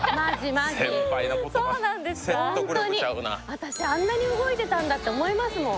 私あんなに動いてたんだって思いますもん